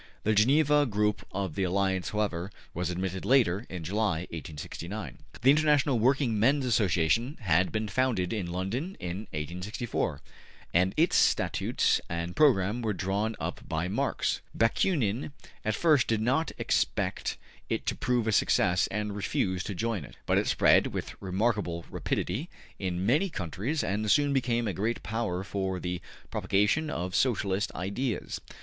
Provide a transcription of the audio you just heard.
The Geneva group of the Alliance, however, was admitted later, in July, 1869. The International Working Men's Association had been founded in London in 1864, and its statutes and program were drawn up by Marx. Bakunin at first did not expect it to prove a success and refused to join it. But it spread with remarkable rapidity in many countries and soon became a great power for the propagation of Socialist ideas.